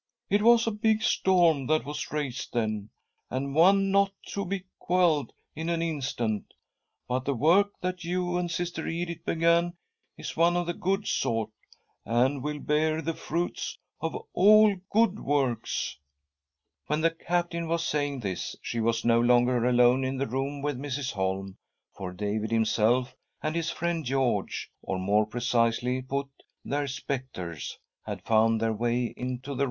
It was a big storm that was raised then, and one not to be quelled in an instant, but the work that you and Sister Edith began is one of the good sort, and will bear the fruits of all good works." 170 THY SOUL SHALL BEAR WITNESS \ DAVID HOLM RETURNS TO PRISON 171 ■•■ When the Captain was saying this, she was no longer alone in the room with Mrs. Holm, for David himself and his friend George — or, more precisely put, their spectres — had found their way into the.